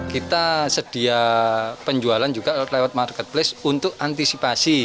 kita sedia penjualan juga lewat marketplace untuk antisipasi